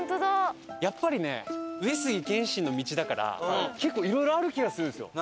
やっぱりね上杉謙信の道だから結構いろいろある気がするんですよ。